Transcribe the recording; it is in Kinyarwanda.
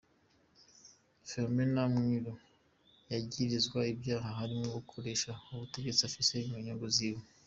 Philomena Mwilu yagirizwa ivyaha harimwo ugukoresha ubutegetsi afise kunyungu ziwe.